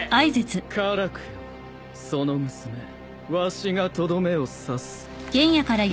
可楽よその娘わしがとどめを刺す。